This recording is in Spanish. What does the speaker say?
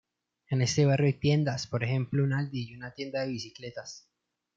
En este barrio hay tiendas, por ejemplo un Aldi y una tienda de bicicletas.